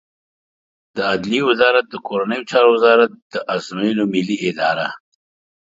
د عدلیې وزارت د کورنیو چارو وزارت، د ازموینو ملی اداره